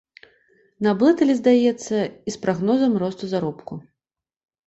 Наблыталі, здаецца, і з прагнозам росту заробку.